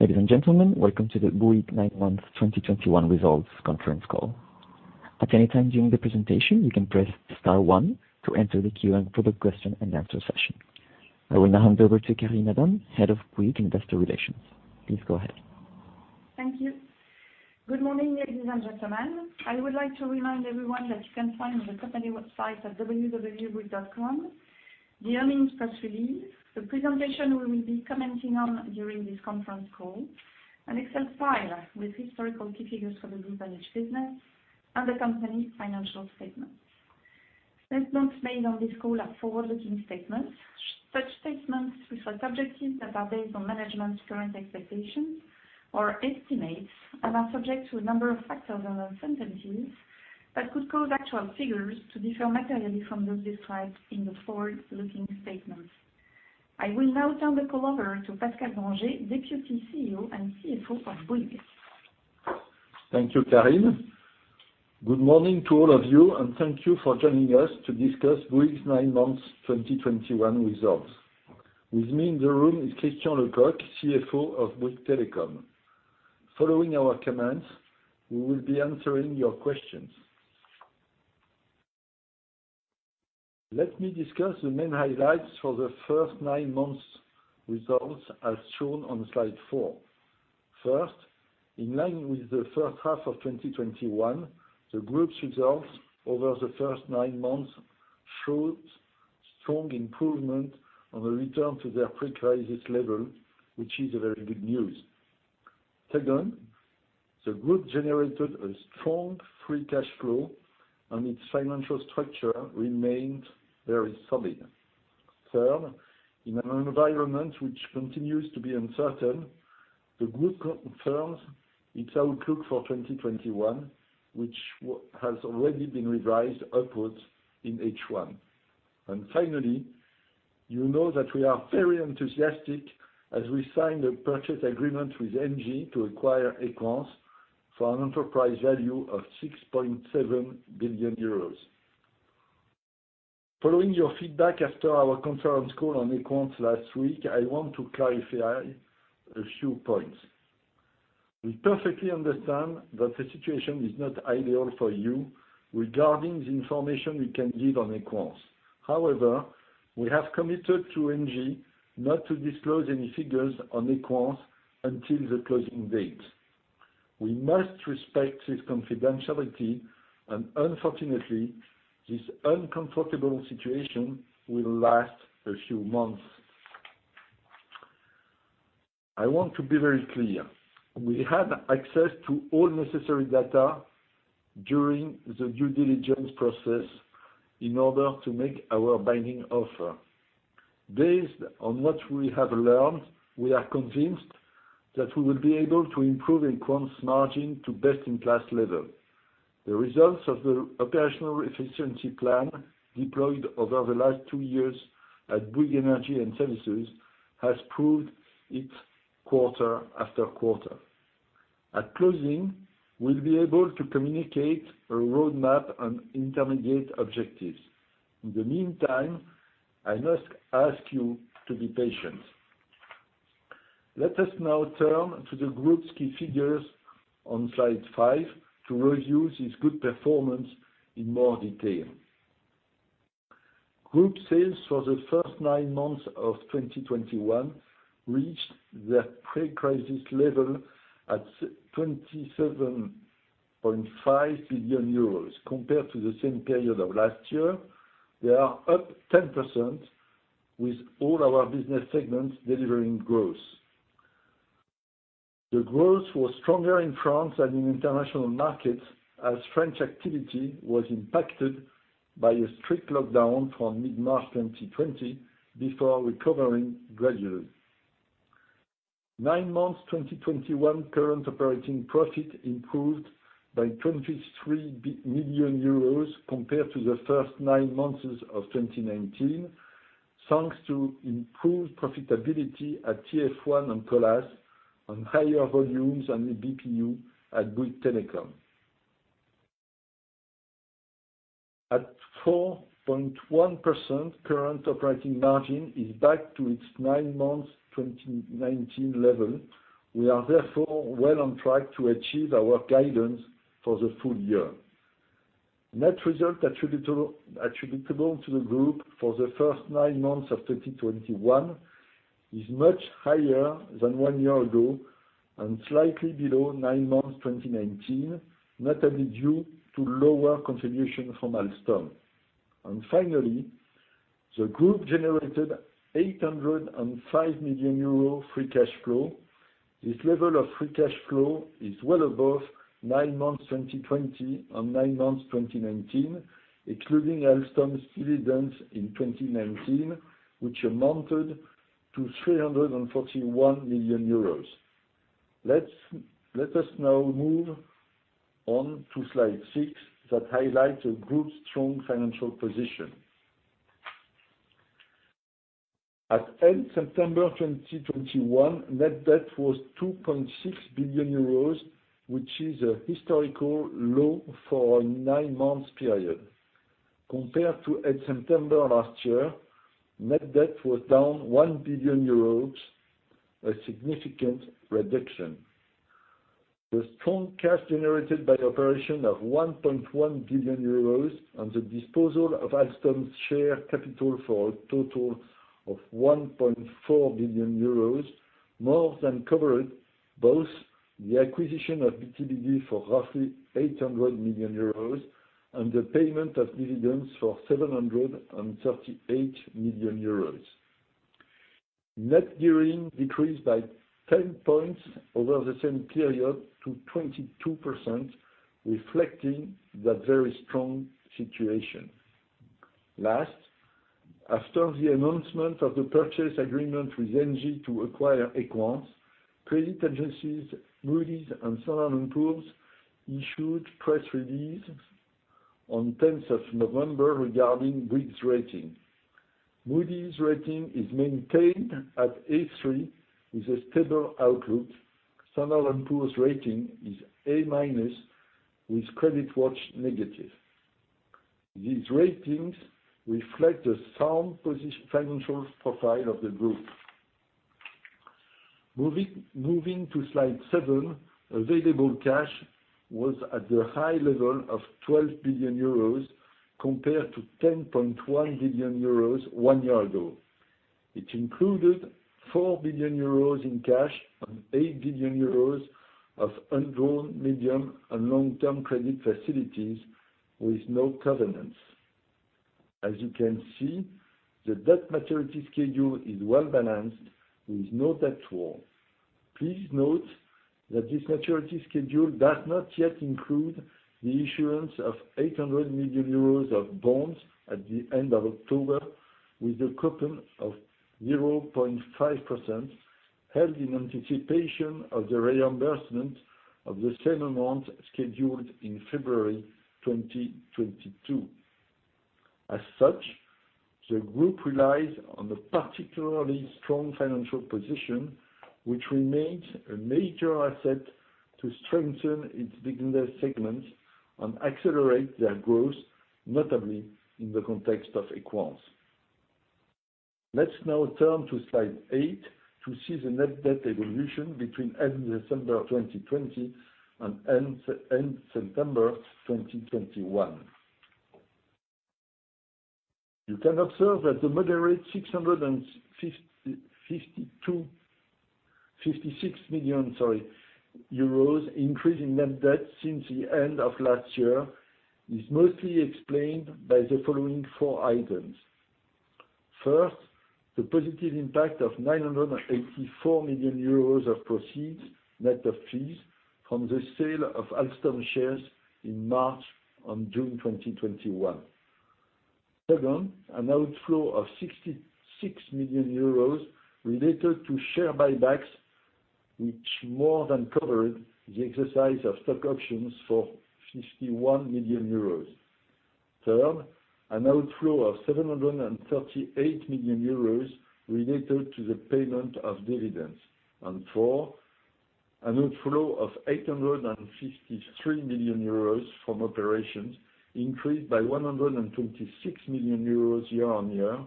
Ladies and gentlemen, welcome to the Bouygues nine-month 2021 results conference call. I will now hand over to Karine Adam, Head of Bouygues Investor Relations. Please go ahead. Thank you. Good morning, ladies and gentlemen. I would like to remind everyone that you can find on the company website at www.bouygues.com the earnings press release, the presentation we will be commenting on during this conference call, an Excel file with historical key figures for the group energy business, and the company's financial statements. Statements made on this call are forward-looking statements. Such statements which are subjective that are based on management's current expectations or estimates and are subject to a number of factors and assumptions that could cause actual figures to differ materially from those described in the forward-looking statements. I will now turn the call over to Pascal Grangé, Deputy CEO and CFO of Bouygues. Thank you, Karine. Good morning to all of you, and thank you for joining us to discuss Bouygues nine-month 2021 results. With me in the room is Christian Lecoq, CFO of Bouygues Telecom. Following our comments, we will be answering your questions. Let me discuss the main highlights for the first nine months results as shown on slide four. First, in line with the first half of 2021, the group's results over the first nine months showed strong improvement on a return to their pre-crisis level, which is very good news. Second, the group generated a strong free cash flow, and its financial structure remained very solid. Third, in an environment which continues to be uncertain, the group confirms its outlook for 2021, which has already been revised upwards in H1. Finally, you know that we are very enthusiastic as we signed a purchase agreement with ENGIE to acquire Equans for an enterprise value of 6.7 billion euros. Following your feedback after our conference call on Equans last week, I want to clarify a few points. We perfectly understand that the situation is not ideal for you regarding the information we can give on Equans. However, we have committed to ENGIE not to disclose any figures on Equans until the closing date. We must respect this confidentiality, and unfortunately, this uncomfortable situation will last a few months. I want to be very clear. We had access to all necessary data during the due diligence process in order to make our binding offer. Based on what we have learned, we are convinced that we will be able to improve Equans margin to best-in-class level. The results of the operational efficiency plan deployed over the last two years at Bouygues Energies & Services has proved it quarter after quarter. At closing, we'll be able to communicate a roadmap on intermediate objectives. In the meantime, I must ask you to be patient. Let us now turn to the group's key figures on slide five to review this good performance in more detail. Group sales for the first nine months of 2021 reached their pre-crisis level at 27.5 billion euros. Compared to the same period of last year, they are up 10% with all our business segments delivering growth. The growth was stronger in France and in international markets as French activity was impacted by a strict lockdown from mid-March 2020 before recovering gradually. Nine months 2021 current operating profit improved by 23 million euros compared to the first nine months of 2019, thanks to improved profitability at TF1 and Colas on higher volumes and ABPU at Bouygues Telecom. At 4.1% current operating margin is back to its nine months 2019 level. We are therefore well on track to achieve our guidance for the full-year. Net result attributable to the group for the first nine months of 2021 is much higher than one year ago and slightly below nine months 2019, notably due to lower contribution from Alstom. Finally, the group generated 805 million euro free cash flow. This level of free cash flow is well above nine months 2020 and nine months 2019, excluding Alstom's dividends in 2019 which amounted to 341 million euros. Let us now move on to slide six that highlights the group's strong financial position. At end September 2021, net debt was 2.6 billion euros, which is a historical low for a nine-month period. Compared to at September last year, net debt was down 1 billion euros, a significant reduction. The strong cash generated by the operations of 1.1 billion euros on the disposal of Alstom's share capital for a total of 1.4 billion euros more than covered both the acquisition of BTBD for roughly 800 million euros and the payment of dividends for 738 million euros. Net gearing decreased by 10 points over the same period to 22%, reflecting that very strong situation. Last, after the announcement of the purchase agreement with ENGIE to acquire Equans, credit agencies Moody's and Standard & Poor's issued press releases on the tenth of November regarding the group's rating. Moody's rating is maintained at A3 with a stable outlook. Standard & Poor's rating is A- with credit watch negative. These ratings reflect the sound financial profile of the group. Moving to slide seven, available cash was at the high level of 12 billion euros compared to 10.1 billion euros one year ago. It included 4 billion euros in cash and 8 billion euros of undrawn medium- and long-term credit facilities with no covenants. As you can see, the debt maturity schedule is well-balanced with no debt at all. Please note that this maturity schedule does not yet include the issuance of 800 million euros of bonds at the end of October with a coupon of 0.5% held in anticipation of the reimbursement of the same amount scheduled in February 2022. As such, the group relies on the particularly strong financial position, which remains a major asset to strengthen its business segments and accelerate their growth, notably in the context of Equans. Let's now turn to slide 8 to see the net debt evolution between end of December 2020 and end September 2021. You can observe that the moderate 656 million, sorry, increase in net debt since the end of last year is mostly explained by the following four items. First, the positive impact of 984 million euros of proceeds net of fees from the sale of Alstom shares in March and June 2021. Second, an outflow of 66 million euros related to share buybacks, which more than covered the exercise of stock options for 51 million euros. Third, an outflow of 738 million euros related to the payment of dividends. Four, an outflow of 853 million euros from operations increased by 126 million euros year-on-year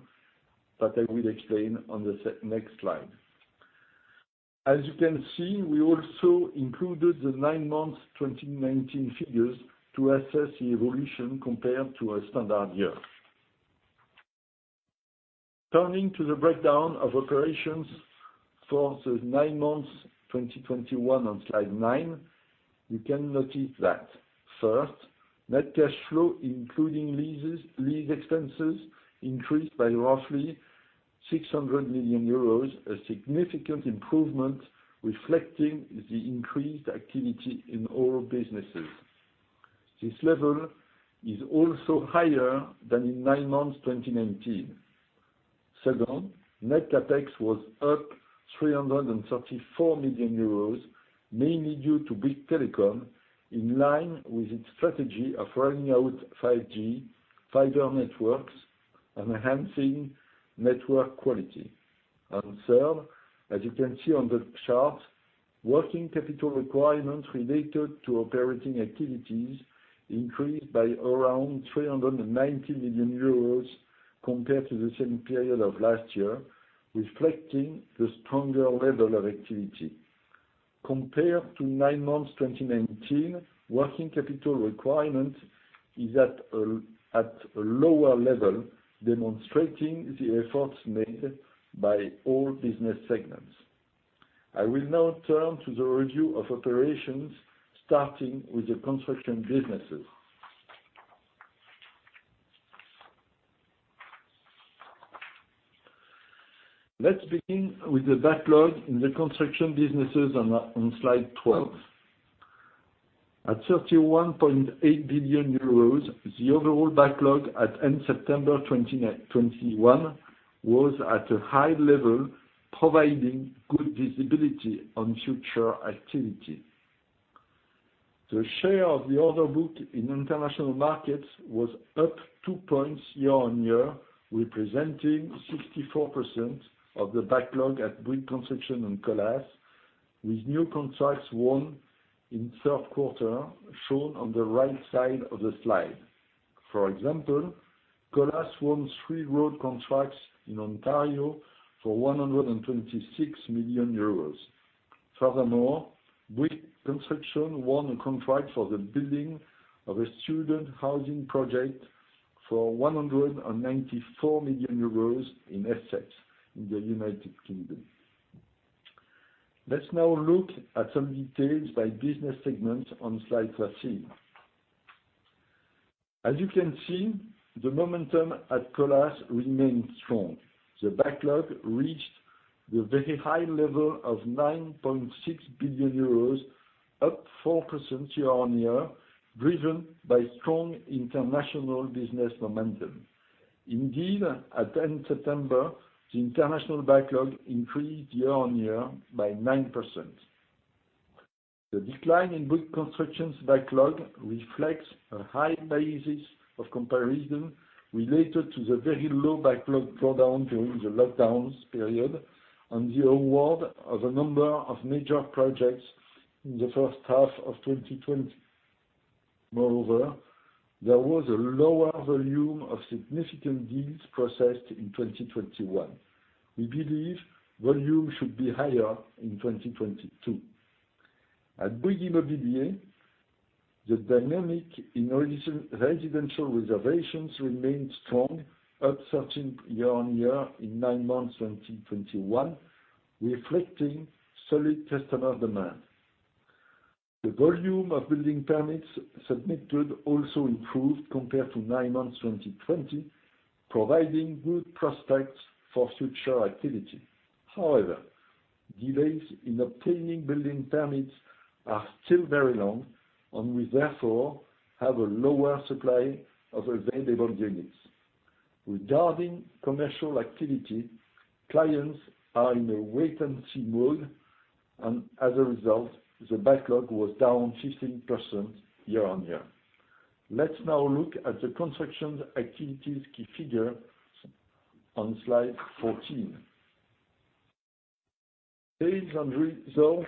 that I will explain on the next slide. As you can see, we also included the nine-month 2019 figures to assess the evolution compared to a standard year. Turning to the breakdown of operations for the nine months 2021 on slide nine, you can notice that, first, net cash flow, including leases, lease expenses, increased by roughly 600 million euros, a significant improvement reflecting the increased activity in all businesses. This level is also higher than in nine months 2019. Second, net CapEx was up 334 million euros, mainly due to Bouygues Telecom in line with its strategy of rolling out 5G fiber networks, enhancing network quality. Third, as you can see on the chart, working capital requirements related to operating activities increased by around 390 million euros compared to the same period of last year, reflecting the stronger level of activity. Compared to nine months 2019, working capital requirement is at a lower level, demonstrating the efforts made by all business segments. I will now turn to the review of operations, starting with the construction businesses. Let's begin with the backlog in the construction businesses on slide 12. At 31.8 billion euros, the overall backlog at end September 2021 was at a high level, providing good visibility on future activity. The share of the order book in international markets was up two points year-on-year, representing 64% of the backlog at Bouygues Construction and Colas. With new contracts won in third quarter shown on the right side of the slide. For example, Colas won three road contracts in Ontario for 126 million euros. Furthermore, Bouygues Construction won a contract for the building of a student housing project for 194 million euros in Essex in the United Kingdom. Let's now look at some details by business segment on slide 13. As you can see, the momentum at Colas remains strong. The backlog reached the very high level of 9.6 billion euros, up 4% year-on-year, driven by strong international business momentum. Indeed, at end September, the international backlog increased year-on-year by 9%. The decline in Bouygues Construction's backlog reflects a high basis of comparison related to the very low backlog drawdown during the lockdowns period and the award of a number of major projects in the first half of 2020. Moreover, there was a lower volume of significant deals processed in 2021. We believe volume should be higher in 2022. At Bouygues Immobilier, the dynamic in residential reservations remained strong, up 13% year-on-year in nine months 2021, reflecting solid customer demand. The volume of building permits submitted also improved compared to nine months 2020, providing good prospects for future activity. However, delays in obtaining building permits are still very long, and we therefore have a lower supply of available units. Regarding commercial activity, clients are in a wait-and-see mode, and as a result, the backlog was down 15% year-over-year. Let's now look at the construction activities key figure on slide 14. Sales and results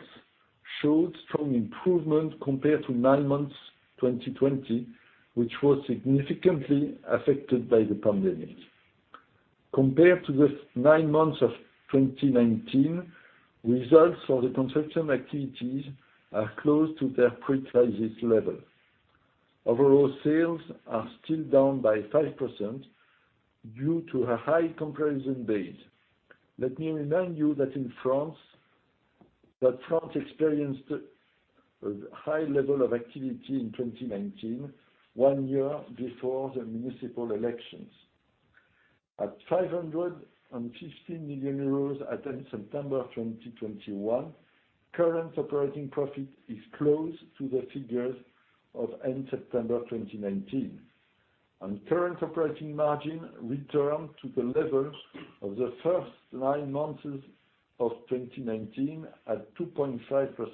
showed strong improvement compared to nine months 2020, which was significantly affected by the pandemic. Compared to the nine months of 2019, results for the construction activities are close to their pre-crisis level. Overall sales are still down by 5% due to a high comparison base. Let me remind you that France experienced a high level of activity in 2019, one year before the municipal elections. At 550 million euros at end September of 2021, current operating profit is close to the figures of end September 2019. Current operating margin returned to the levels of the first nine months of 2019 at 2.5%.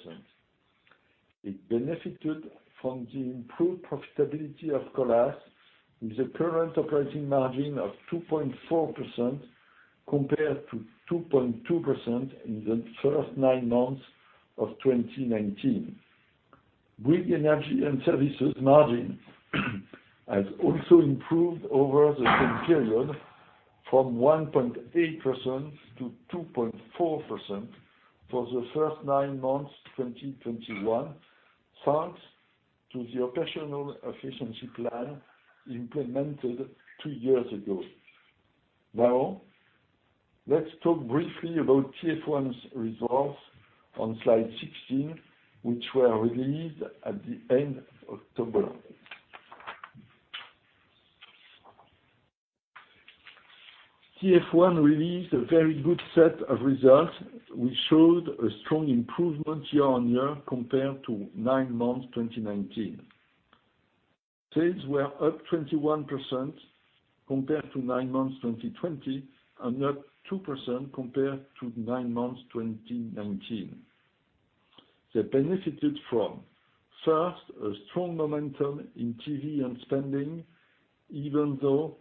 It benefited from the improved profitability of Colas, with a current operating margin of 2.4% compared to 2.2% in the first nine months of 2019. Bouygues Energies & Services margin has also improved over the same period from 1.8% to 2.4% for the first nine months 2021, thanks to the operational efficiency plan implemented two years ago. Now, let's talk briefly about TF1's results on slide 16, which were released at the end of October. TF1 released a very good set of results, which showed a strong improvement year-on-year compared to nine months 2019. Sales were up 21% compared to nine months 2020 and up 2% compared to nine months 2019. They benefited from, first, a strong momentum in TV and spending, even though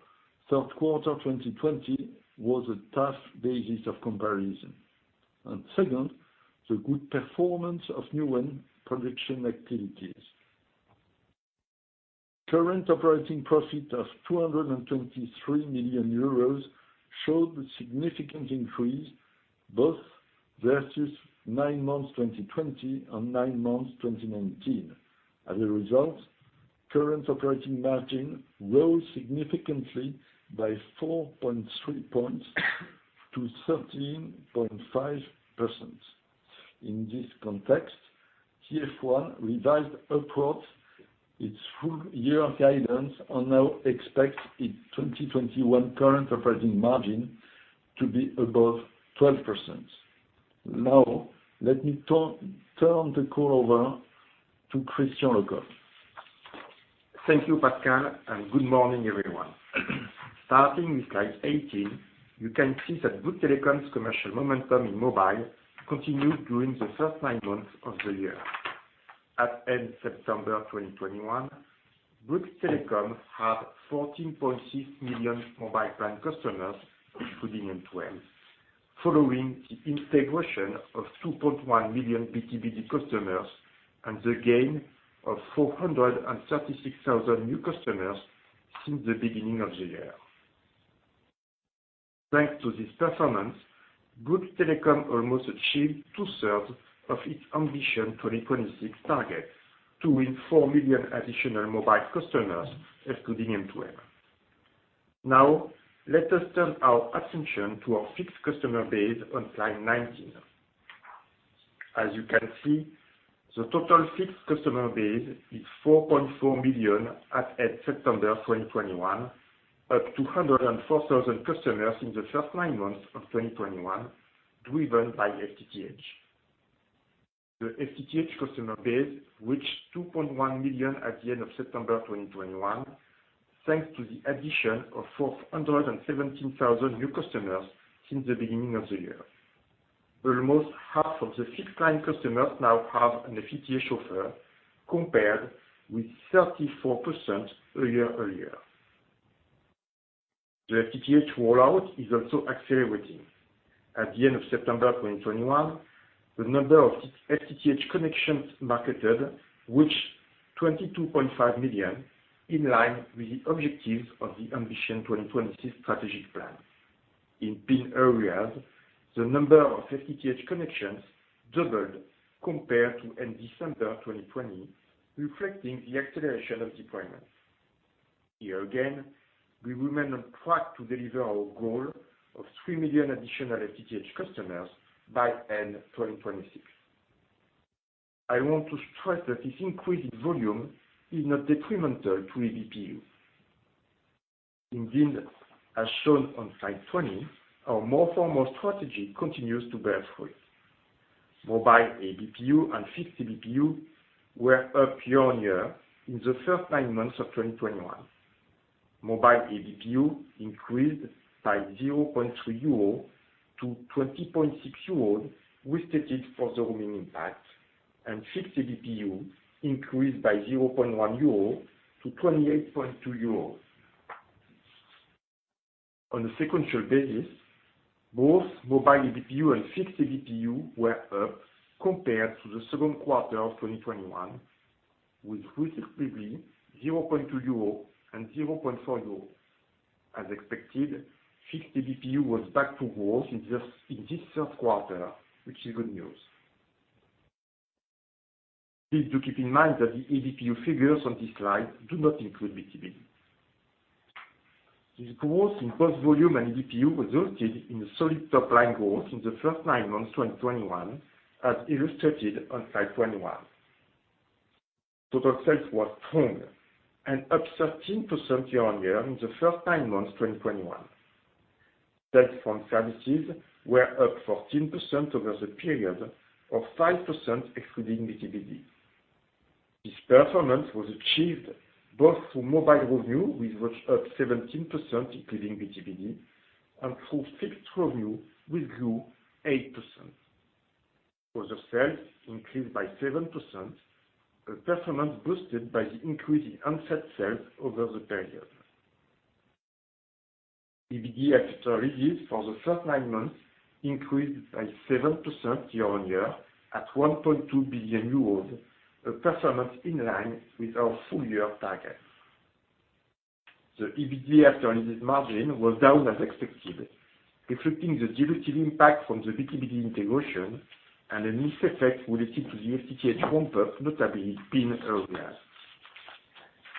third quarter 2020 was a tough basis of comparison. Second, the good performance of Newen production activities. Current operating profit of 223 million euros showed a significant increase both versus nine months 2020 and nine months 2019. As a result, current operating margin rose significantly by 4.3 points to 13.5%. In this context, TF1 revised upwards its full-year guidance and now expects its 2021 current operating margin to be above 12%. Now, let me turn the call over to Christian Lecoq. Thank you, Pascal, and good morning, everyone. Starting with slide 18, you can see that Bouygues Telecom's commercial momentum in mobile continued during the first nine months of the year. At end September 2021, Bouygues Telecom had 14.6 million mobile plan customers, including M12, following the integration of 2.1 million B2B customers and the gain of 436,000 new customers since the beginning of the year. Thanks to this performance, Bouygues Telecom almost achieved 2/3 of its Ambition 2026 targets to win four million additional mobile customers excluding M12. Now, let us turn our attention to our fixed customer base on slide 19. As you can see, the total fixed customer base is 4.4 million at end September 2021, up 104,000 customers in the first nine months of 2021, driven by FTTH. The FTTH customer base reached 2.1 million at the end of September 2021, thanks to the addition of 417,000 new customers since the beginning of the year. Almost half of the fixed line customers now have an FTTH offer compared with 34% a year earlier. The FTTH rollout is also accelerating. At the end of September 2021, the number of FTTH connections marketed reached 22.5 million, in line with the objectives of the Ambition 2026 strategic plan. In PIN areas, the number of FTTH connections doubled compared to end December 2020, reflecting the acceleration of deployment. Here again, we remain on track to deliver our goal of three million additional FTTH customers by end 2026. I want to stress that this increased volume is not detrimental to ABPU. Indeed, as shown on slide 20, our more for more strategy continues to bear fruit. Mobile ABPU and fixed ABPU were up year on year in the first nine months of 2021. Mobile ABPU increased by 0.3 euro to 20.6 euros, restated for the roaming impact, and fixed ABPU increased by 0.1 euro to 28.2 euro. On a sequential basis, both mobile ABPU and fixed ABPU were up compared to the second quarter of 2021, with respectively 0.2 euro and 0.4 euro. As expected, fixed ABPU was back to growth in this third quarter, which is good news. Please do keep in mind that the ABPU figures on this slide do not include B2B. This growth in both volume and ABPU resulted in a solid top line growth in the first nine months 2021, as illustrated on slide 21. Total sales was strong and up 13% year-on-year in the first nine months 2021. Sales from services were up 14% over the period of 5% excluding B2B. This performance was achieved both through mobile revenue, which was up 17% including B2B, and through fixed revenue, which grew 8%. Total sales increased by 7%, a performance boosted by the increase in handset sales over the period. EBITDA rose for the first nine months increased by 7% year-on-year at 1.2 billion euros, a performance in line with our full-year targets. The EBITDA margin was down as expected, reflecting the dilutive impact from the B2B integration and a mix effect related to the FTTH ramp-up, notably PIN areas.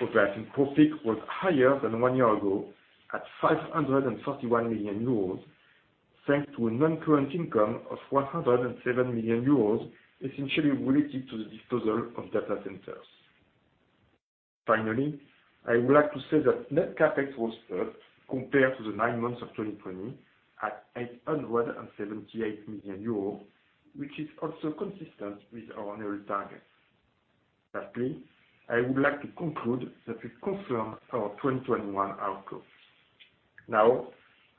Operating profit was higher than one year ago at 531 million euros, thanks to a non-current income of 107 million euros, essentially related to the disposal of data centers. Finally, I would like to say that net CapEx was up compared to the nine months of 2020 at 878 million euros, which is also consistent with our annual targets. Lastly, I would like to conclude that we confirm our 2021 outcomes. Now,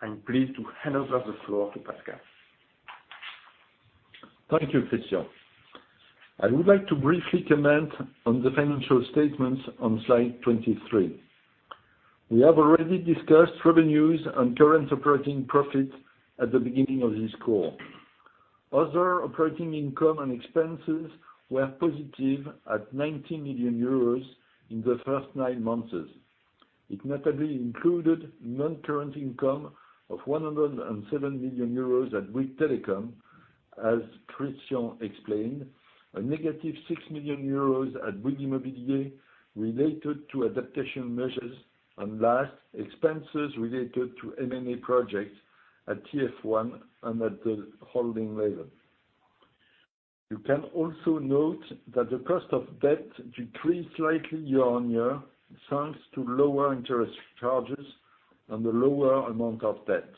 I'm pleased to hand over the floor to Pascal. Thank you, Christian. I would like to briefly comment on the financial statements on slide 23. We have already discussed revenues and current operating profits at the beginning of this call. Other operating income and expenses were positive at 90 million euros in the first nine months. It notably included non-current income of 107 million euros at Bouygues Telecom, as Christian explained, a -6 million euros at Bouygues Immobilier related to adaptation measures, and last, expenses related to M&A projects at TF1 and at the holding level. You can also note that the cost of debt decreased slightly year-on-year, thanks to lower interest charges and a lower amount of debt.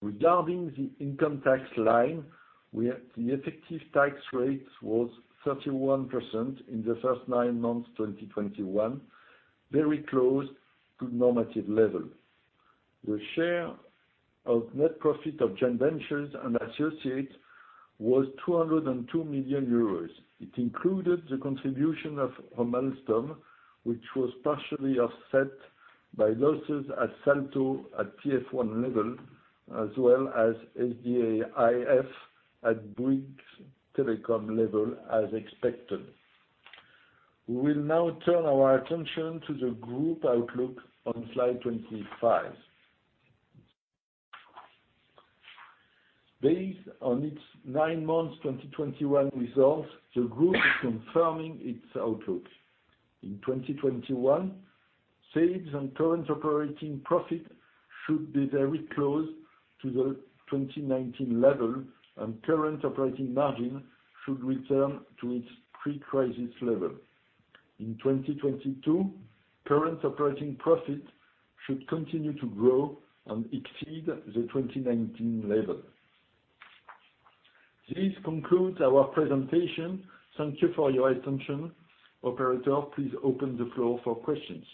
Regarding the income tax line, we have the effective tax rate was 31% in the first nine months 2021, very close to normative level. The share of net profit of joint ventures and associates was 202 million euros. It included the contribution of Unify, which was partially offset by losses at Salto at TF1 level, as well as SDAIF at Bouygues Telecom level as expected. We will now turn our attention to the group outlook on slide 25. Based on its nine months 2021 results, the group is confirming its outlook. In 2021, sales and current operating profit should be very close to the 2019 level, and current operating margin should return to its pre-crisis level. In 2022, current operating profit should continue to grow and exceed the 2019 level. This concludes our presentation. Thank you for your attention. Operator, please open the floor for questions.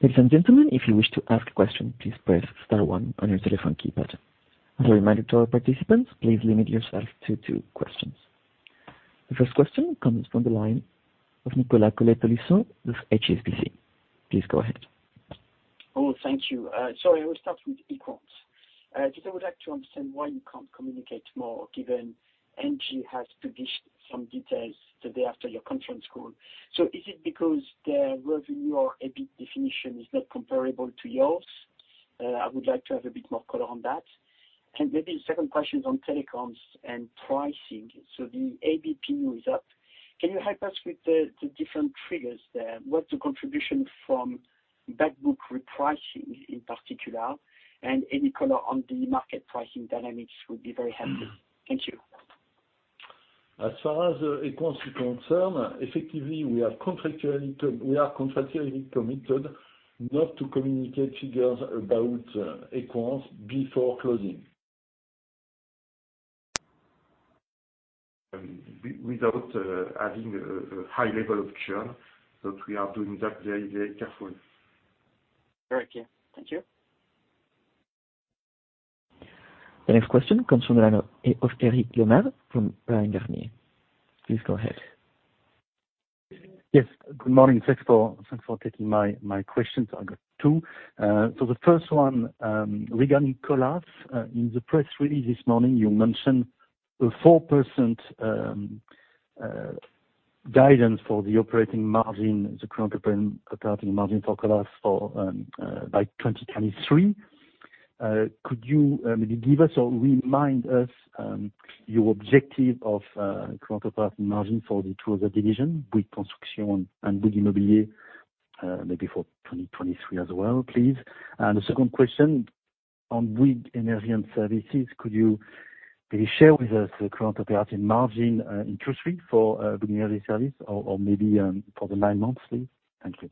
Ladies and gentlemen, if you wish to ask a question, please press star one on your telephone keypad. As a reminder to our participants, please limit yourself to two questions. The first question comes from the line of Nicolas Cote-Colisson with HSBC. Please go ahead. Oh, thank you. I will start with Equans. Because I would like to understand why you can't communicate more, given ENGIE has published some details the day after your conference call. Is it because their revenue or EBIT definition is not comparable to yours? I would like to have a bit more color on that. Maybe the second question is on telecoms and pricing. The ABPU is up. Can you help us with the different triggers there? What's the contribution from back book repricing in particular? Any color on the market pricing dynamics would be very helpful. Thank you. As far as Equans is concerned, effectively, we are contractually committed not to communicate figures about Equans before closing. Without having a high level of churn, but we are doing that very, very careful. Very clear. Thank you. The next question comes from the line of Eric Lemarié from Bryan Garnier & Co. Please go ahead. Yes. Good morning. Thanks for taking my questions. I've got two. The first one, regarding Colas, in the press release this morning, you mentioned the 4% guidance for the operating margin, the current operating margin for Colas for by 2023. Could you maybe give us or remind us your objective of current operating margin for the two other divisions, with Construction and with Immobilier, maybe for 2023 as well, please. The second question on Bouygues Energies & Services, could you please share with us the current operating margin in Q3 for Bouygues Energies & Services or maybe for the nine months, please? Thank you.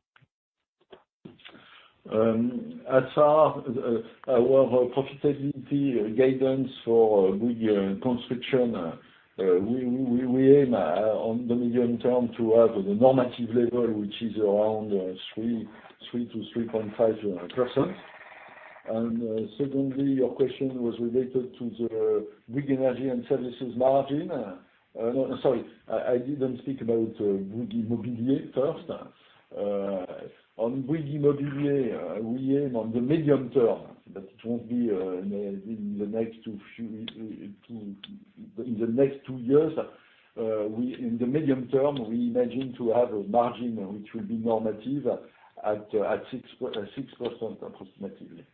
As our profitability guidance for Bouygues Construction, we aim on the medium-term to have the normative level, which is around 3%-3.5%. Secondly, your question was related to the Bouygues Energies & Services margin. No, sorry, I didn't speak about Bouygues Immobilier first. On Bouygues Immobilier, we aim on the medium term, but it won't be in the next two years. In the medium term, we imagine to have a margin which will be normative at 6% approximately.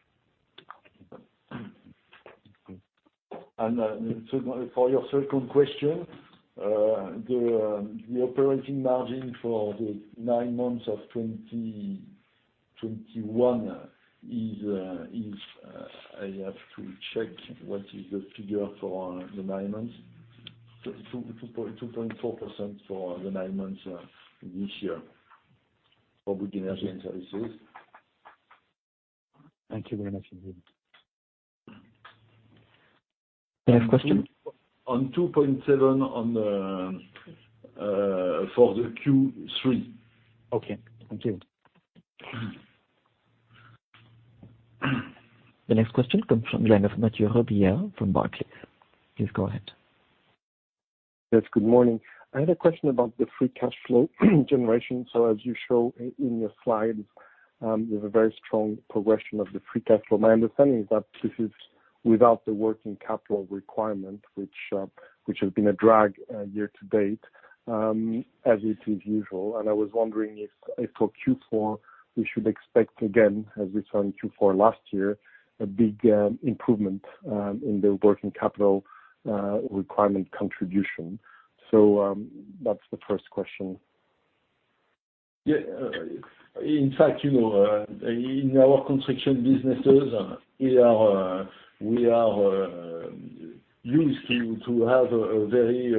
Now for your second question, the operating margin for the nine months of 2021 is, I have to check what is the figure for the nine months. 2.24% for the nine months this year for Bouygues Energies & Services. Thank you very much indeed. Next question. On 2.7% on the for the Q3. Okay. Thank you. The next question comes from the line of Mathieu Robilliard from Barclays. Please go ahead. Yes, good morning. I had a question about the free cash flow generation. As you show in your slides, with a very strong progression of the free cash flow. My understanding is that this is without the working capital requirement, which has been a drag year-to-date, as it is usual. I was wondering if for Q4, we should expect again, as we saw in Q4 last year, a big improvement in the working capital requirement contribution. That's the first question. Yeah. In fact, you know, in our construction businesses, we are used to have a very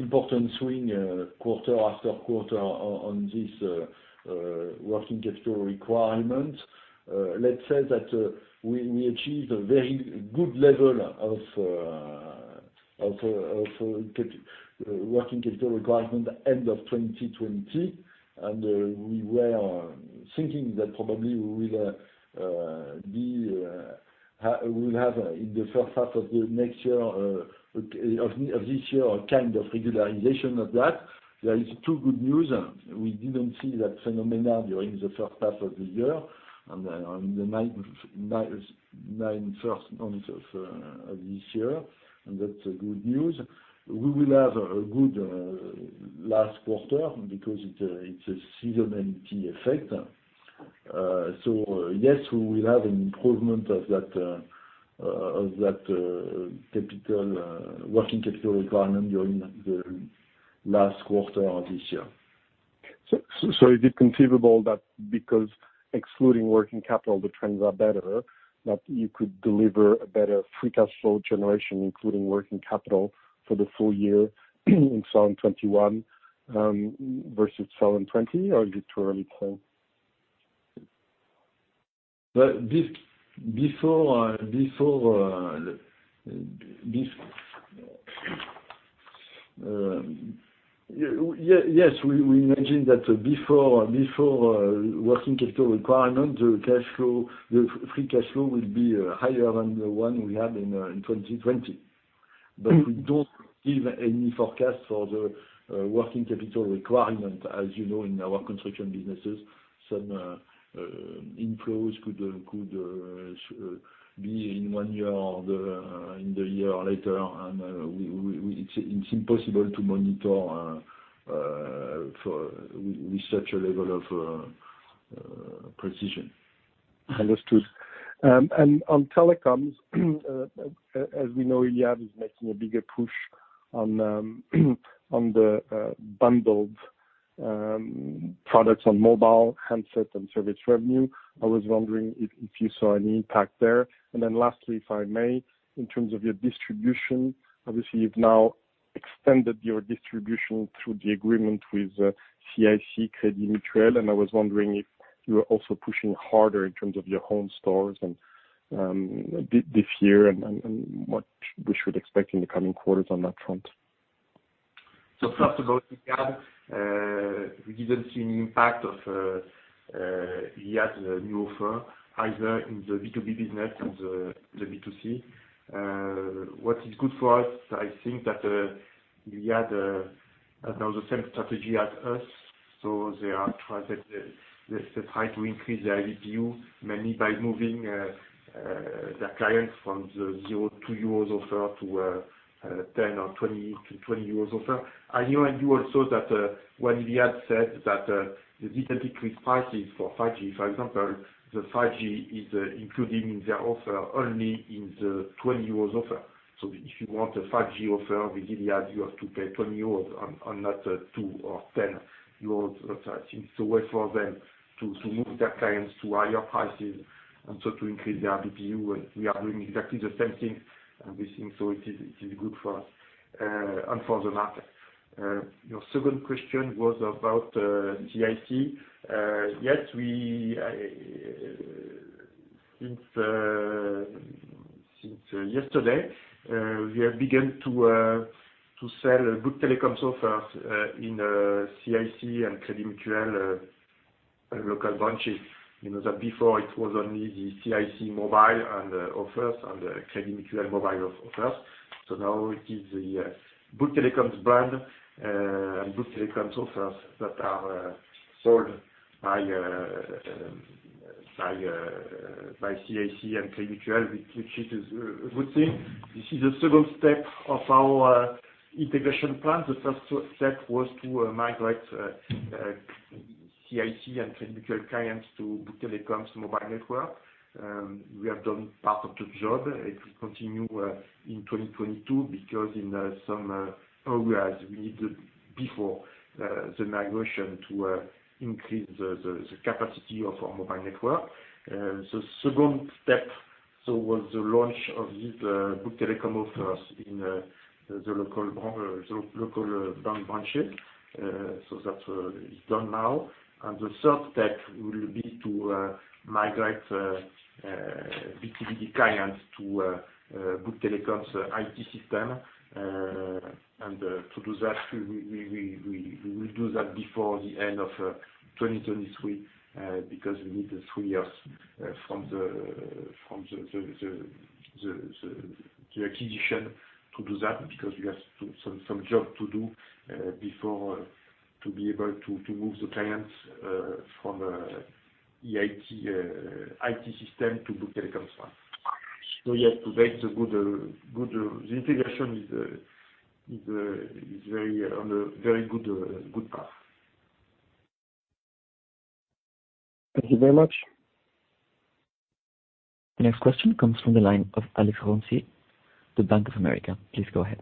important swing quarter after quarter on this working capital requirement. Let's say that we achieved a very good level of working capital requirement end of 2020. We were thinking that probably we will have in the first half of the next year or this year a kind of regularization of that. There is two good news. We didn't see that phenomena during the first half of the year and in the first nine months of this year, and that's good news. We will have a good last quarter because it's a seasonality effect. Yes, we will have an improvement of that working capital requirement during the last quarter of this year. Is it conceivable that because excluding working capital, the trends are better, that you could deliver a better free cash flow generation, including working capital for the full-year in 2021 versus 2020, or is it too early to tell? Yes, we imagine that before working capital requirement, the cash flow, the free cash flow will be higher than the one we had in 2020. Mm-hmm. We don't give any forecast for the working capital requirement. As you know, in our construction businesses, some inflows could be in one year or in the year or later. It's impossible to monitor with such a level of precision. Understood. On telecoms, as we know, Iliad is making a bigger push on the bundled products on mobile handsets and service revenue. I was wondering if you saw any impact there. Lastly, if I may, in terms of your distribution, obviously you've now extended your distribution through the agreement with CIC Crédit Mutuel, and I was wondering if you are also pushing harder in terms of your own stores this year and what we should expect in the coming quarters on that front. First of all, Iliad, we didn't see any impact of Iliad's new offer either in the B2B business or the B2C. What is good for us, I think that Iliad has now the same strategy as us, so they try to increase their ABPU mainly by moving their clients from the 0-2 euros offer to 10 or 20 offer. I knew also that when Iliad said that they didn't increase prices for 5G, for example, the 5G is including in their offer only in the 20 euros offer. If you want a 5G offer with Iliad you have to pay 20 euros and not 2 or 10 euros or such. It's a way for them to move their clients to higher prices and so to increase their ABPU. We are doing exactly the same thing and we think so it is good for us and for the market. Your second question was about CIC. Yes, we have begun to sell Bouygues Telecom's offers in CIC and Crédit Mutuel local branches. You know that before it was only the CIC Mobile and offers and Crédit Mutuel Mobile offers. Now it is the Bouygues Telecom's brand and Bouygues Telecom's offers that are sold by CIC and Crédit Mutuel, which is a good thing. This is the second step of our integration plan. The first step was to migrate CIC and Crédit Mutuel clients to Bouygues Telecom's mobile network. We have done part of the job. It will continue in 2022 because in some areas we need before the migration to increase the capacity of our mobile network. The second step was the launch of the Bouygues Telecom offers in the local branches. That's done now. The third step will be to migrate BTV clients to Bouygues Telecom's IT system. To do that, we will do that before the end of 2023 because we need three years from the acquisition to do that because we have some job to do before to be able to move the clients from EIT IT system to Bouygues Telecom's one. Yes, to date, it's good, the integration is very on a very good path. Thank you very much. The next question comes from the line of Alex Roncier, the Bank of America. Please go ahead.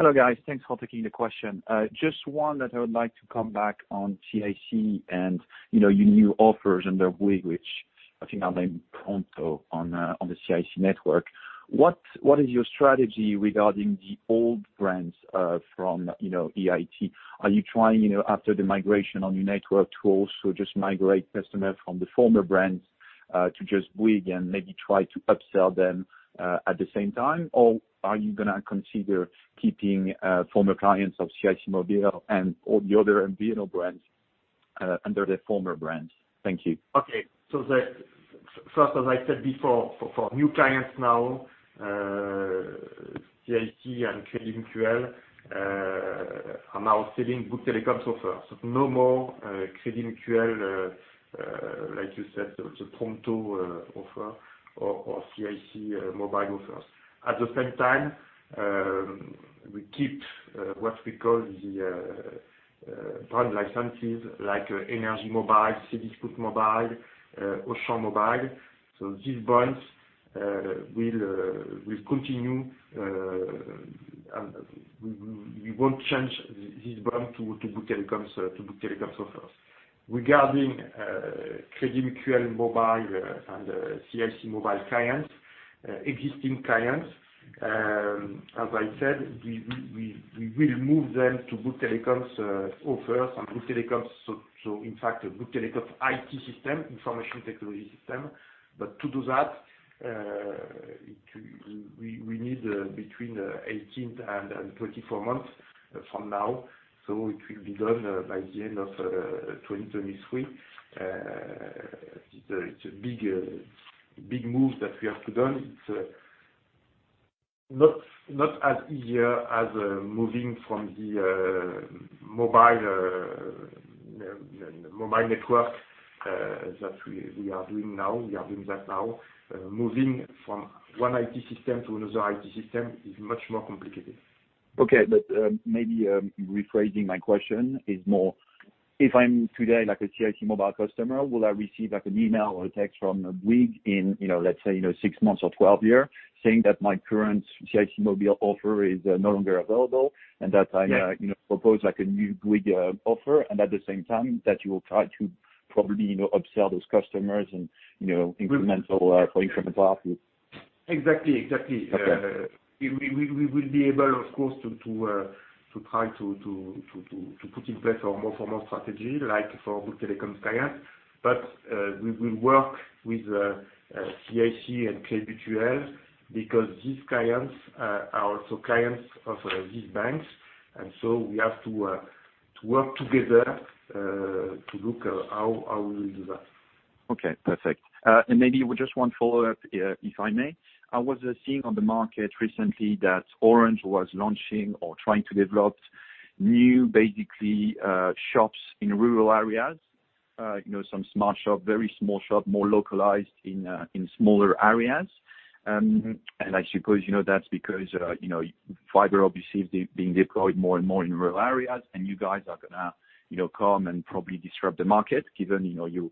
Hello, guys. Thanks for taking the question. Just one that I would like to come back on CIC and, you know, your new offers underway which I think are named Prompto on the CIC network. What is your strategy regarding the old brands from, you know, EIT? Are you trying, you know, after the migration on your network to also just migrate customers from the former brands? To just Bouygues and maybe try to upsell them at the same time, or are you gonna consider keeping former clients of CIC Mobile and all the other MVNO brands under the former brands? Thank you. First, as I said before, for new clients now, CIC and Crédit Mutuel are now selling Bouygues Telecom's offers. No more Crédit Mutuel Mobile like you said, the Prompto offer or CIC Mobile offers. At the same time, we keep what we call the brand licenses like NRJ Mobile, Cdiscount Mobile, Auchan Télécom. These brands will continue and we won't change these brands to Bouygues Telecom's offers. Regarding Crédit Mutuel Mobile and CIC Mobile clients, existing clients, as I said, we will move them to Bouygues Telecom's offers and Bouygues Telecom's IT system, information technology system. To do that, we need between 18 and 24 months from now, so it will be done by the end of 2023. It's a big move that we have to do. It's not as easy as moving from the mobile network that we are doing now, we are doing that now. Moving from one IT system to another IT system is much more complicated. Okay. Maybe rephrasing my question is more if I'm today like a CIC Mobile customer, will I receive like an email or a text from Bouygues in, you know, let's say, you know, six months or 12 years saying that my current CIC Mobile offer is no longer available and that I'm- Yeah. You know, proposed like a new Bouygues offer, and at the same time that you will try to probably, you know, upsell those customers and, you know, incremental for incremental ABPU. Exactly. Exactly. Okay. We will be able of course to try to put in place our more formal strategy like for Bouygues Telecom clients. We will work with CIC and Crédit Mutuel because these clients are also clients of these banks. We have to work together to look at how we will do that. Okay, perfect. Maybe just one follow-up, if I may. I was seeing on the market recently that Orange was launching or trying to develop new, basically, shops in rural areas, you know, some small shop, very small shop, more localized in smaller areas. Mm-hmm. I suppose, you know, that's because fiber obviously is being deployed more and more in rural areas, and you guys are gonna, you know, come and probably disrupt the market given, you know, you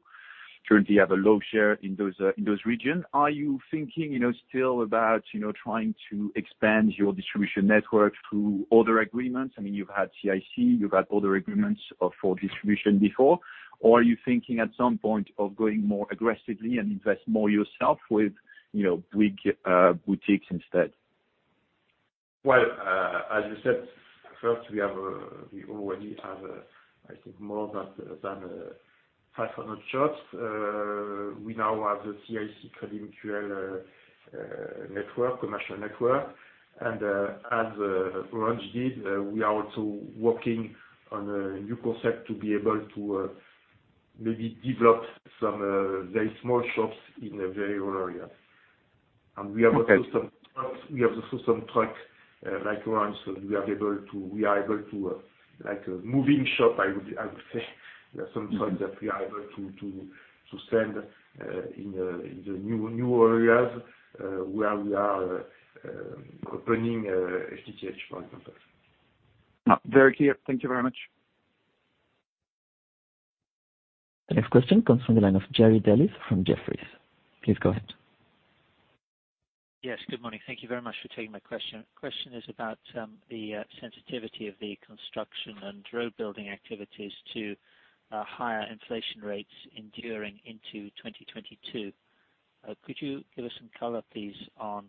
currently have a low share in those regions. Are you thinking, you know, still about, you know, trying to expand your distribution network through other agreements? I mean, you've had CIC, you've had other agreements for distribution before. Or are you thinking at some point of going more aggressively and invest more yourself with, you know, Bouygues boutiques instead? Well, as you said, we already have, I think, more than 500 shops. We now have the CIC Crédit Mutuel commercial network. As Orange did, we are also working on a new concept to be able to maybe develop some very small shops in a very rural area. We have also some- Okay. Trucks, we have also some truck like Orange. We are able to like a moving shop, I would say. Mm-hmm. There are some trucks that we are able to send in the new areas where we are opening FTTH, for example. Very clear. Thank you very much. The next question comes from the line of Jerry Dellis from Jefferies. Please go ahead. Yes, good morning. Thank you very much for taking my question. Question is about the sensitivity of the construction and road building activities to higher inflation rates enduring into 2022. Could you give us some color, please, on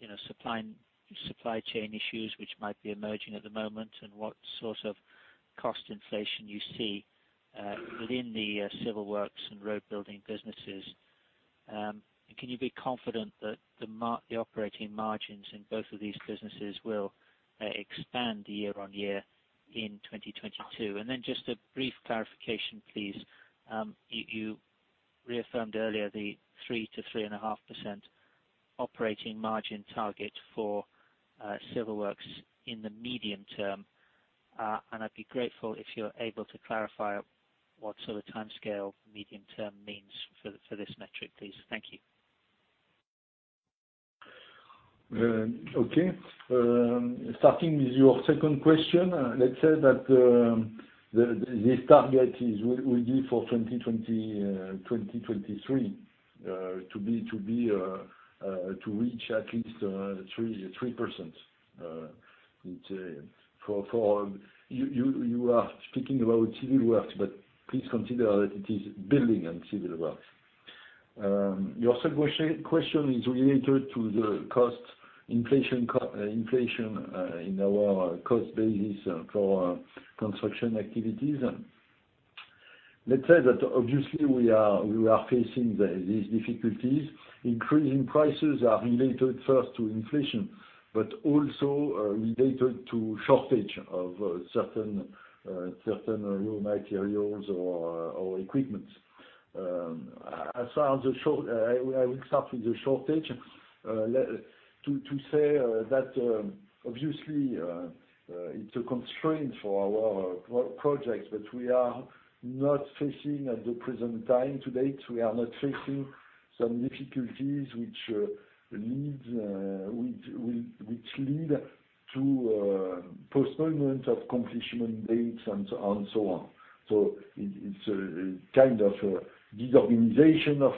you know, supply chain issues which might be emerging at the moment, and what sort of cost inflation you see within the civil works and road building businesses? And can you be confident that the operating margins in both of these businesses will expand year on year in 2022? Then just a brief clarification, please. You reaffirmed earlier the 3%-3.5% operating margin target for civil works in the medium term. I'd be grateful if you're able to clarify what sort of timescale medium term means for this metric, please. Thank you. Okay. Starting with your second question, let's say that this target will be for 2023 to reach at least 3%. You are speaking about civil works, but please consider that it is building and civil works. Your second question is related to the cost. Inflation in our cost basis for our construction activities. Let's say that obviously we are facing these difficulties. Increasing prices are related first to inflation, but also related to shortage of certain raw materials or equipment. As far as the shortage, I will start with the shortage to say that obviously it's a constraint for our projects, but we are not facing at the present time to date some difficulties which lead to postponement of completion dates and so on. It's a kind of disorganization of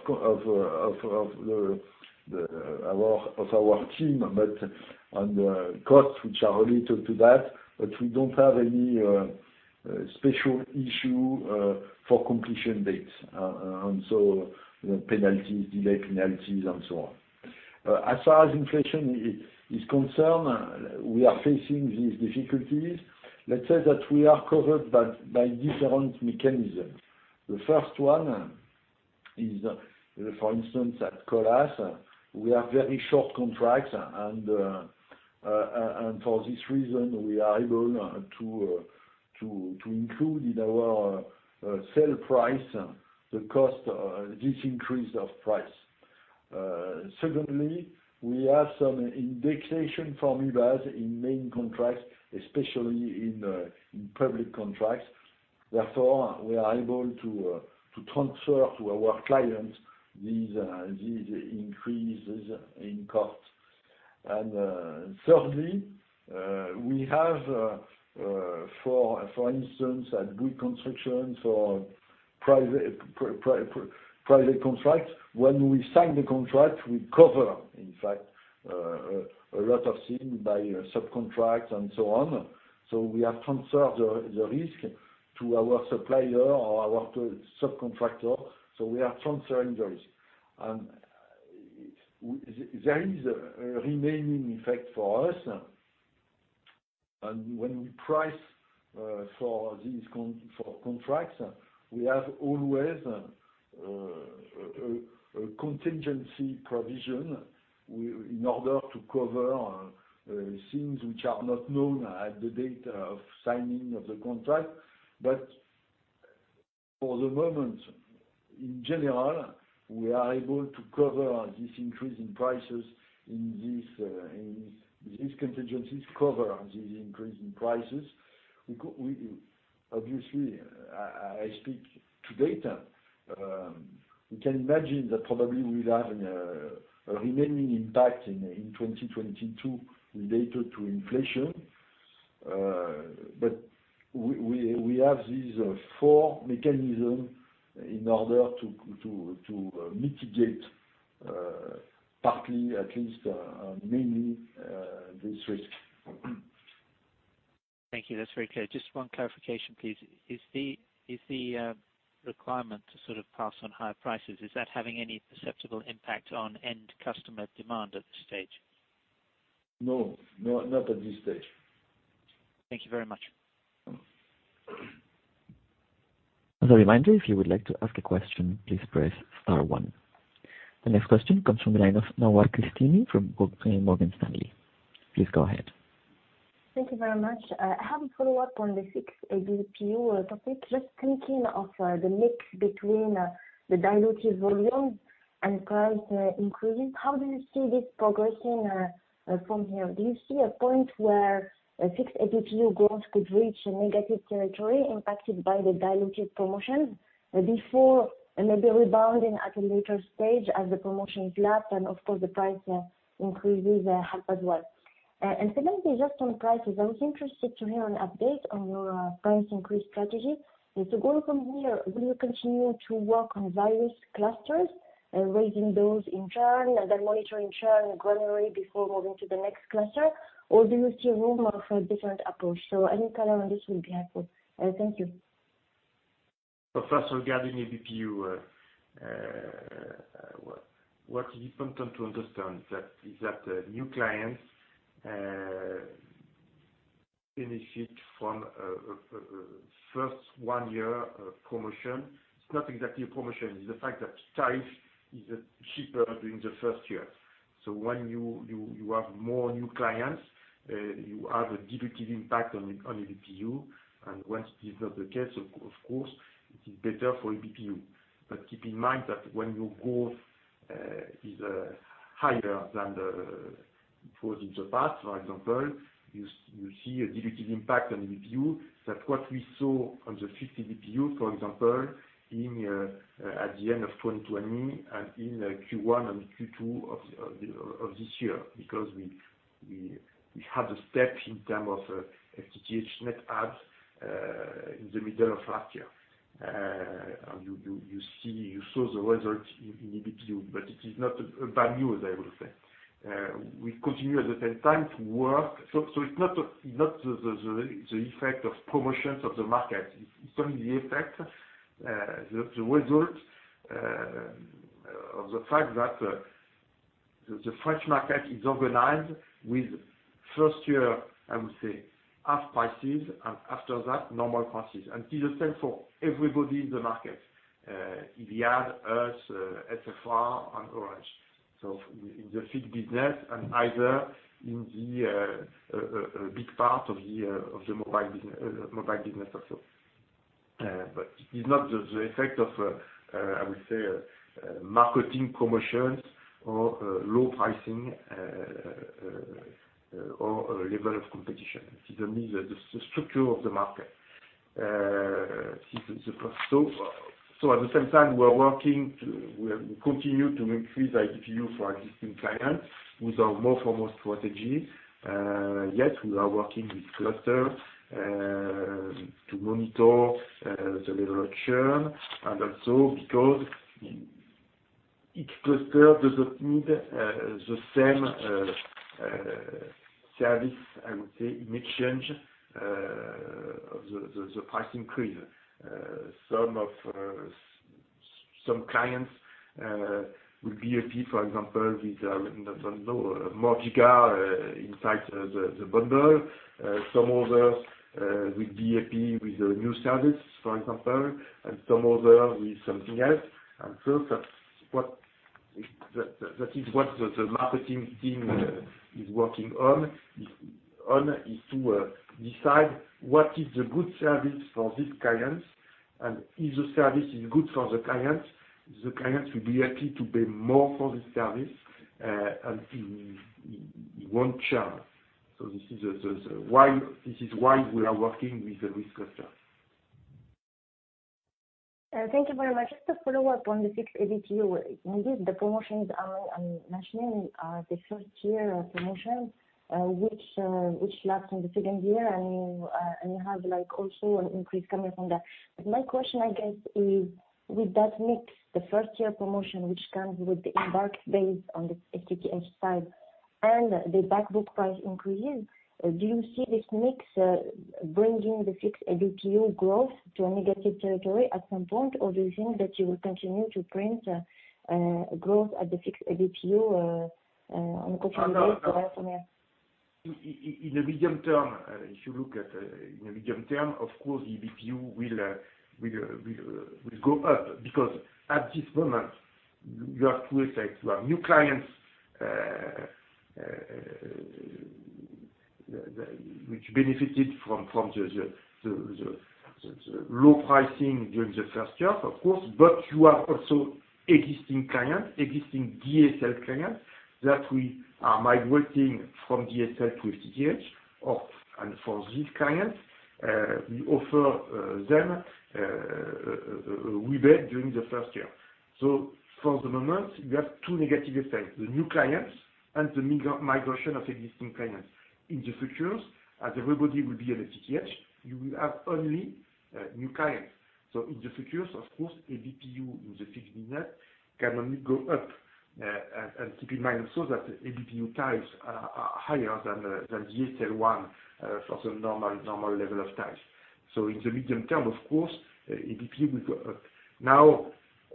our team, but on the costs, which are related to that, but we don't have any special issue for completion dates. The penalties, delay penalties, and so on. As far as inflation is concerned, we are facing these difficulties. Let's say that we are covered by different mechanisms. The first one is, for instance, at Colas, we have very short contracts and for this reason, we are able to include in our sale price the cost of this increase of price. Secondly, we have some indexation from Ibaz in main contracts, especially in public contracts. Therefore, we are able to transfer to our clients these increases in cost. Thirdly, we have for instance at Bouygues Construction, for private contracts, when we sign the contract, we cover in fact a lot of things by subcontracts and so on. We have transferred the risk to our supplier or our subcontractor, so we are transferring the risk. There is a remaining effect for us, and when we price for these contracts, we have always a contingency provision in order to cover things which are not known at the date of signing of the contract. For the moment, in general, we are able to cover this increase in prices in these contingencies. We obviously speak to data. We can imagine that probably we'll have a remaining impact in 2022 related to inflation. We have these four mechanisms in order to mitigate partly at least, mainly, this risk. Thank you. That's very clear. Just one clarification, please. Is the requirement to sort of pass on higher prices, is that having any perceptible impact on end customer demand at this stage? No. No, not at this stage. Thank you very much. As a reminder, if you would like to ask a question, please press star one. The next question comes from the line of Nawar Cristini from Morgan Stanley. Please go ahead. Thank you very much. I have a follow-up on the fixed ABPU topic. Just thinking of the mix between the dilutive volume and price increases, how do you see this progressing from here? Do you see a point where fixed ABPU growth could reach a negative territory impacted by the dilutive promotions before maybe rebounding at a later stage as the promotions lapse and of course, the price increases help as well? Secondly, just on prices, I was interested to hear an update on your price increase strategy. Going from here, will you continue to work on various clusters, raising those in turn and then monitoring churn gradually before moving to the next cluster? Or do you see room for a different approach? Any color on this will be helpful. Thank you. First, regarding ABPU, what’s important to understand is that new clients benefit from a first one-year promotion. It’s not exactly a promotion, it’s the fact that tariff is cheaper during the first year. When you have more new clients, you have a dilutive impact on ABPU. Once this is not the case, of course, it is better for ABPU. Keep in mind that when your growth is higher than it was in the past, for example, you see a dilutive impact on ABPU. That’s what we saw on the 50 ABPU, for example, at the end of 2020 and in Q1 and Q2 of this year. Because we have the steps in terms of FTTH net adds in the middle of last year. You saw the results in ABPU, but it is not a bad news, I would say. We continue at the same time to work. It's not the effect of promotions of the market. It's only the effect the result. Of the fact that the French market is organized with first year, I would say half prices, and after that normal prices. It is the same for everybody in the market. Iliad, us, SFR and Orange. In the fixed business and either in a big part of the mobile business also. It is not the effect of I would say marketing promotions or low pricing or level of competition. This is only the structure of the market. This is the first. At the same time, we continue to increase the ABPU for existing clients with our more for more strategy. Yes, we are working with clusters to monitor the level of churn, and also because each cluster does not need the same service, I would say, in exchange of the price increase. Some clients with B.iG for example with, I don't know, more giga inside the bundle. Some others with B.iG with a new service, for example, and some others with something else. That's what the marketing team is working on, to decide what is the good service for these clients. If the service is good for the clients, the clients will be happy to pay more for this service, and in one chart. This is why we are working with the risk cluster. Thank you very much. Just to follow up on the fixed ABPU, indeed the promotions I'm mentioning are the first year promotions, which lapse in the second year and you have like also an increase coming from that. My question, I guess, is with that mix, the first year promotion which comes with the embark base on the FTTH side and the back book price increases, do you see this mix bringing the fixed ABPU growth to a negative territory at some point? Or do you think that you will continue to print growth at the fixed ABPU on a quarter-over-quarter basis from here? In the medium term, if you look at, in the medium term, of course the ABPU will go up. At this moment you have two effects. You have new clients which benefited from the low pricing during the first year, of course. You have also existing clients, existing DSL clients that we are migrating from DSL to FTTH and for these clients, we offer them rebate during the first year. For the moment you have two negative effects. The new clients and the migration of existing clients. In the future as everybody will be on FTTH you will have only new clients. In the future of course, ABPU in the fixed business can only go up. Keep in mind also that ABPU tariffs are higher than DSL one for the normal level of tariffs. In the medium term of course, ABPU will go up. Now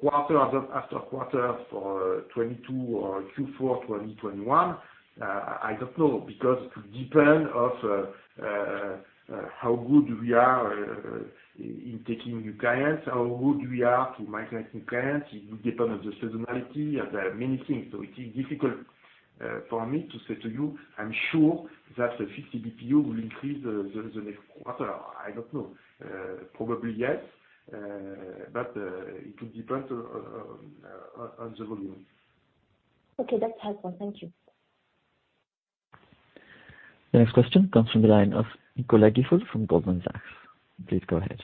quarter after quarter for 2022 or Q4 2021, I don't know because it will depend on how good we are in taking new clients, how good we are to migrating clients. It will depend on the seasonality and many things. It is difficult for me to say to you. I'm sure that the fixed ABPU will increase the next quarter. I don't know. Probably yes, but it will depend on the volume. Okay. That's helpful. Thank you. The next question comes from the line of Nicola Gifford from Goldman Sachs. Please go ahead.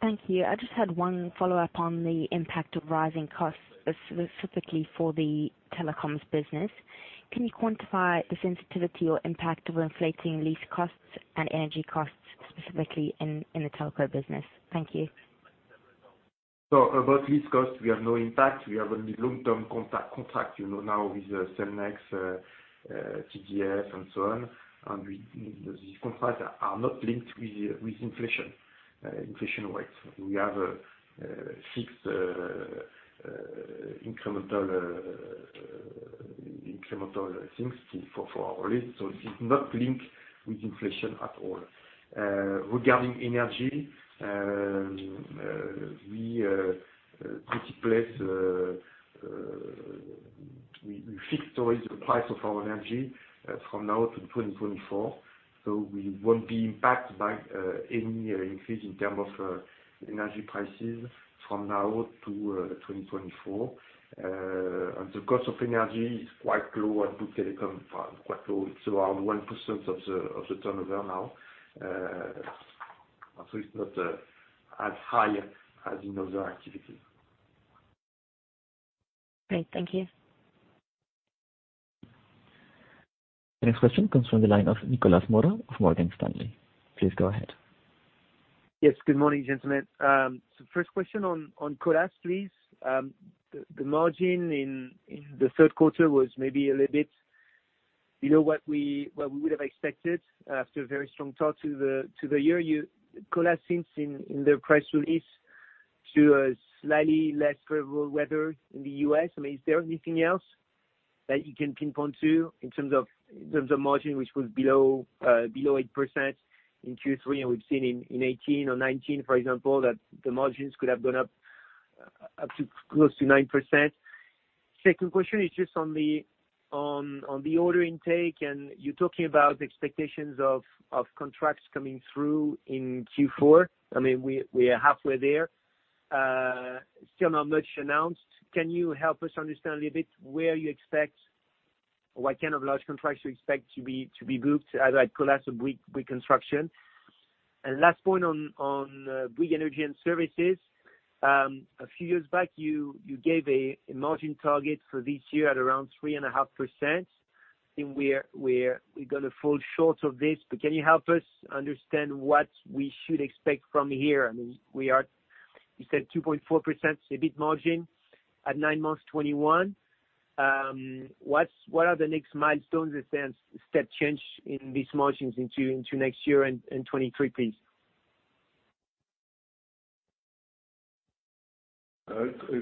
Thank you. I just had one follow up on the impact of rising costs specifically for the telecoms business. Can you quantify the sensitivity or impact of inflating lease costs and energy costs specifically in the telco business? Thank you. About lease costs, we have no impact. We have only long term contract, you know, now with Cellnex, TDF and so on. These contracts are not linked with inflation rates. We have a fixed incremental things for our lease. It is not linked with inflation at all. Regarding energy, we always fix the price of our energy from now to 2024. We won't be impacted by any increase in terms of energy prices from now to 2024. The cost of energy is quite low at Bouygues Telecom. Quite low. It's around 1% of the turnover now. It's not as high as in other activities. Great. Thank you. The next question comes from the line of Nicolas Mora of Morgan Stanley. Please go ahead. Yes. Good morning, gentlemen. First question on Colas please. The margin in the third quarter was maybe a little bit, you know, what we would've expected after a very strong start to the year. Colas seems in their press release to a slightly less favorable weather in the U.S. I mean, is there anything else that you can pinpoint to in terms of margin which was below 8% in Q3? We've seen in 2018 or 2019, for example, that the margins could have gone up to close to 9%. Second question is just on the order intake, and you're talking about the expectations of contracts coming through in Q4. I mean, we are halfway there, still not much announced. Can you help us understand a little bit where you expect or what kind of large contracts you expect to be booked, either at Colas or Bouygues Construction? Last point on Bouygues Energies & Services. A few years back, you gave a margin target for this year at around 3.5%. I think we're gonna fall short of this. Can you help us understand what we should expect from here? I mean, you said 2.4% EBIT margin at nine months 2021. What are the next milestones, let's say, and step change in these margins into next year and 2023, please?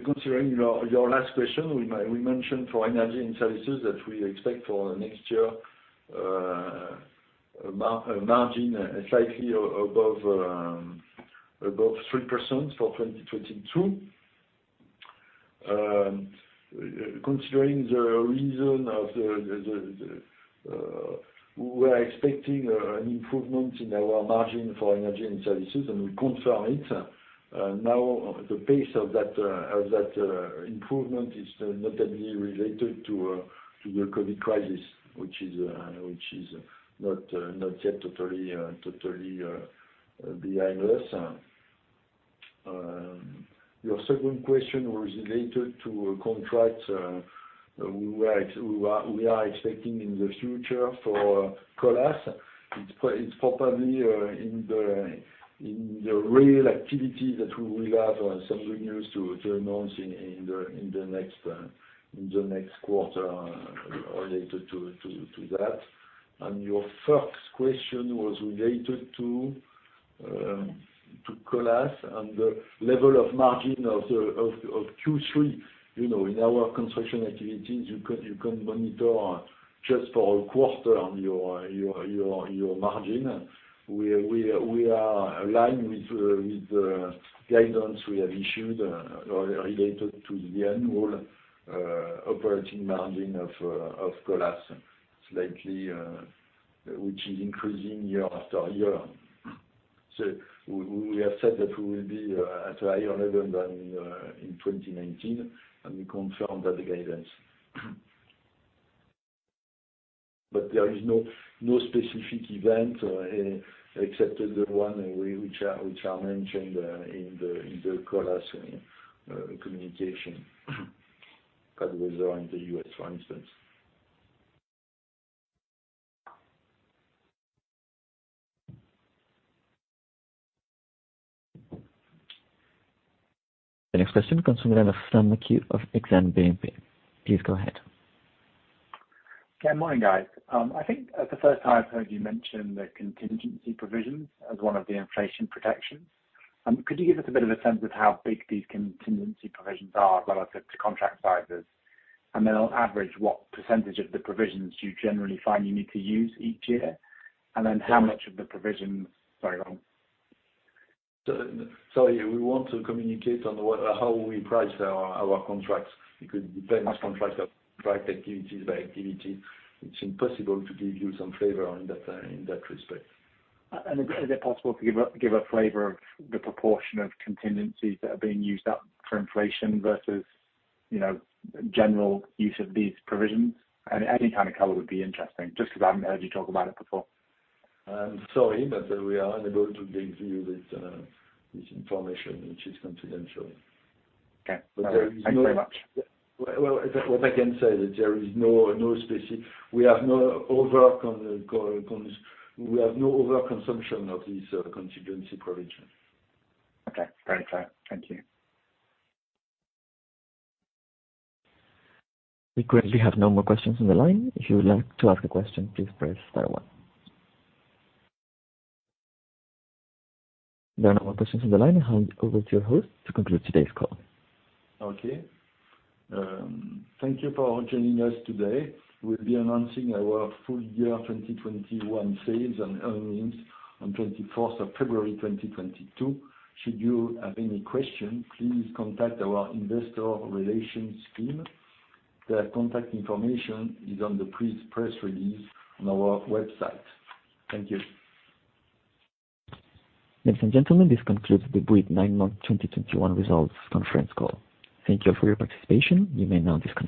Considering your last question, we mention for Energies & Services that we expect for next year margin slightly above 3% for 2022. Considering the reasons for the improvement we are expecting in our margin for Energies & Services, and we confirm it. Now the pace of that improvement is notably related to the COVID crisis, which is not yet totally behind us. Your second question was related to a contract we are expecting in the future for Colas. It's probably in the real activity that we will have some good news to announce in the next quarter related to that. Your first question was related to Colas and the level of margin of Q3. You know, in our construction activities, you can monitor just for a quarter on your margin. We are aligned with the guidance we have issued related to the annual operating margin of Colas slightly, which is increasing year after year. We have said that we will be at a higher level than in 2019, and we confirm that guidance. There is no specific event except the one which I mentioned in the Colas communication. Bad weather in the U.S., for instance. The next question comes from the line of Sam McHugh of Exane BNP. Please go ahead. Yeah, morning, guys. I think that's the first time I've heard you mention the contingency provisions as one of the inflation protections. Could you give us a bit of a sense of how big these contingency provisions are relative to contract sizes? On average, what percentage of the provisions you generally find you need to use each year, and then how much of the provisions. Sorry, go on. We want to communicate on what, how we price our contracts. It could depend on contract to contract, activities by activity. It's impossible to give you some flavor on that, in that respect. Is it possible to give a flavor of the proportion of contingencies that are being used up for inflation versus, you know, general use of these provisions? Any kind of color would be interesting, just 'cause I haven't heard you talk about it before. I'm sorry, but we are unable to give you this information, which is confidential. Okay. There is no- Thank you very much. Well, we have no overconsumption of these contingency provisions. Okay. Very clear. Thank you. We currently have no more questions on the line. If you would like to ask a question, please press star one. There are no more questions on the line. I'll hand over to your host to conclude today's call. Okay. Thank you for joining us today. We'll be announcing our full-year 2021 sales and earnings on 24th of February, 2022. Should you have any question, please contact our Investor Relations team. Their contact information is on the press release on our website. Thank you. Ladies and gentlemen, this concludes the Bouygues nine-month 2021 results conference call. Thank you for your participation. You may now disconnect.